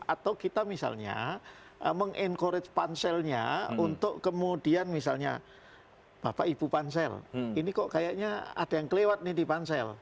atau kita misalnya meng encourage panselnya untuk kemudian misalnya bapak ibu pansel ini kok kayaknya ada yang kelewat nih di pansel